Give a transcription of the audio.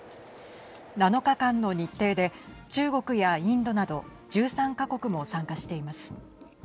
７日間の日程で中国やインドなど１３か国も参加しています。